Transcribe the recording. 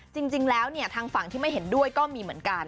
จริงแล้วทางฝั่งที่ไม่เห็นด้วยก็มีเหมือนกัน